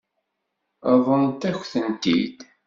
Ṛeḍlen-ak-tent-id?